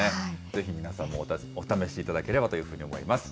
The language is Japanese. ぜひ皆さんもお試しいただければと思います。